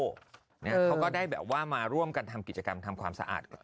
เขาก็ได้แบบว่ามาร่วมกันทำกิจกรรมทำความสะอาด